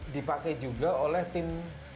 dipakai juga oleh tim